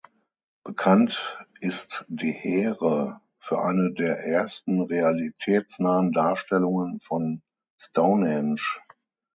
Bekannt ist de Heere für eine der ersten realitätsnahen Darstellungen von Stonehenge.